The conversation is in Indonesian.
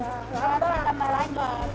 kalau hari tambah lagi